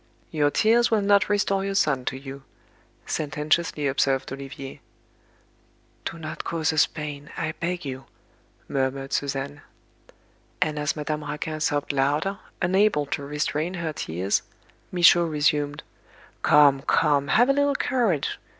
"Your tears will not restore your son to you," sententiously observed Olivier. "Do not cause us pain, I beg you," murmured Suzanne. And as Madame Raquin sobbed louder, unable to restrain her tears, Michaud resumed: "Come, come, have a little courage.